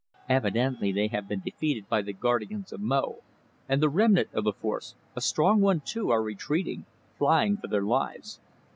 Evidently they have been defeated by the guardians of Mo, and the remnant of the force a strong one, too are retreating, flying for their lives."